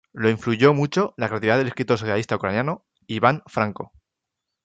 Lo influyó mucho la creatividad del escritor socialista ucraniano Iván Franko.